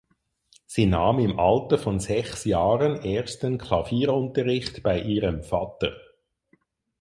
Sie nahm im Alter von sechs Jahren ersten Klavierunterricht bei ihrem Vater.